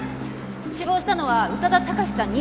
死亡したのは宇多田貴史さん２５歳。